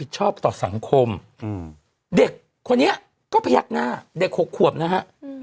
ชอบต่อสังคมเด็กคนนี้ก็พยักหน้าเด็ก๖ขวบนะฮะ